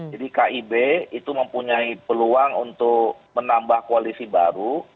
jadi kib itu mempunyai peluang untuk menambah koalisi baru